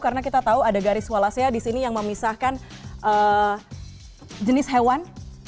karena kita tahu ada garis walasnya di sini yang memisahkan jenis hewan